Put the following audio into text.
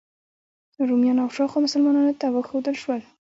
رومیانو او شاوخوا مسلمانانو ته وښودل شول.